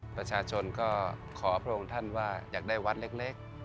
ประชาชนก็ขอพระองค์ท่านว่าอยากได้วัดเล็ก